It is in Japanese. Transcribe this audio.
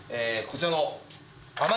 こちらの。